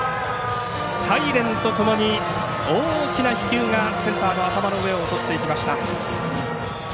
サイレンとともに大きな飛球がセンターの頭の上を襲っていきました。